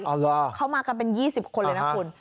อ๋อเหรอเข้ามากันเป็นยี่สิบคนเลยนะคุณ